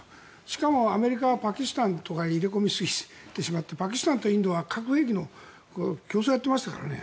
しかも、アメリカはパキスタンとかに入れ込みすぎてしまってパキスタンとインドは核兵器の競争をやっていましたからね。